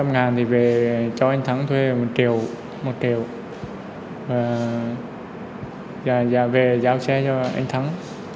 bảy tám trăm linh ngàn thì về cho anh thắng thuê một triệu một triệu và về giao xe cho anh thắng